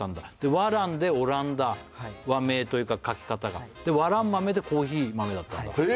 和蘭でオランダ和名というか書き方が和蘭豆でコーヒー豆だったんだへえ！